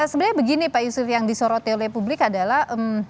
sebenarnya begini pak yusuf yang disoroti oleh publik adalah